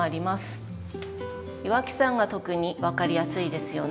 岩木山が特に分かりやすいですよね。